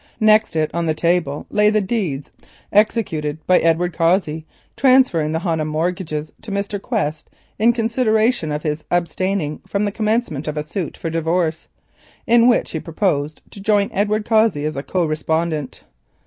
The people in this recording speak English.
Next it on the table lay the deeds executed by Edward Cossey transferring the Honham mortgages to Mr. Quest in consideration of his abstaining from the commencement of a suit for divorce in which he proposed to join Edward Cossey as co respondent.